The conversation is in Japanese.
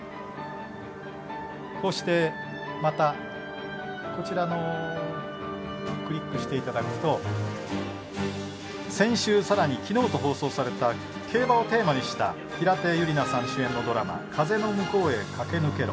こうして、こちらをクリックしていただくと先週、さらにきのうと放送された競馬をテーマにした平手友梨奈さん主演のドラマ「風の向こうへ駆け抜けろ」。